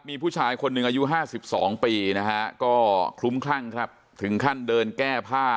มีผู้ชายคนหนึ่งอายุ๕๒ปีนะฮะก็คลุ้มคลั่งครับถึงขั้นเดินแก้ผ้า